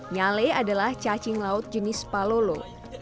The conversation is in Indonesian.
nyale adalah cacing laut jenis palolo